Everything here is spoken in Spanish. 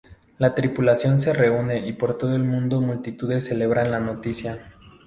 La tripulación se reúne y por todo el mundo multitudes celebran la noticia.